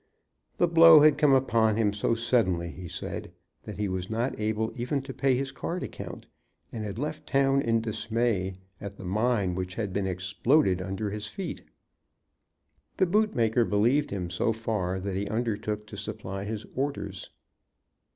The blow had come upon him so suddenly, he said, that he was not able even to pay his card account, and had left town in dismay at the mine which had been exploded under his feet. The boot maker believed him so far that he undertook to supply his orders.